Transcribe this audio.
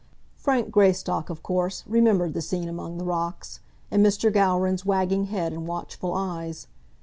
Frank Greystock, of course, remembered the scene among the rocks, and Mr. Gowran's wagging head and watchful eyes.